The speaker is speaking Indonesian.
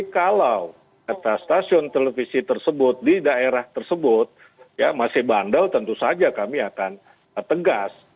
kalau kata stasiun televisi tersebut di daerah tersebut masih bandel tentu saja kami akan tegas